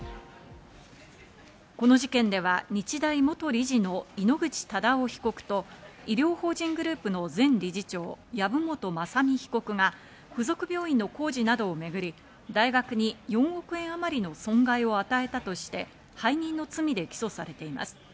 この事件では日大元理事の井ノ口忠男被告と医療法人グループの前理事長・籔本雅巳被告が付属病院の工事などをめぐり、大学に４億円あまりの損害を与えたとして背任の罪で起訴されています。